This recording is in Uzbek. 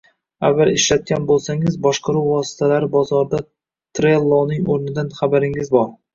Avval ishlatgan bo’lsangiz, boshqaruv vositalari bozorida Trelloning o’rnidan xabaringiz bor